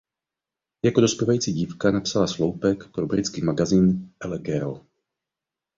Jako dospívající dívka napsala sloupek pro britský magazín "Elle Girl".